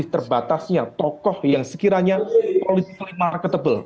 masih terbatasnya tokoh yang sekiranya politikally marketable